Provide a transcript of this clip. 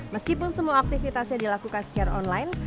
meskipun semua aktivitasnya dilakukan secara online